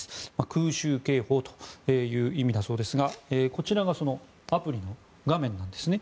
空襲警報という意味だそうですがこちらがアプリの画面なんです。